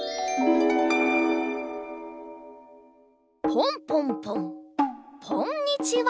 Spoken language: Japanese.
ポンポンポンポンにちは。